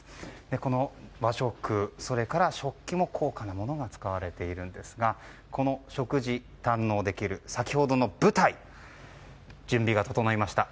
この和食、それから食器も高価なものが使われているんですがこの食事、堪能できる先ほどの舞台準備が整いました。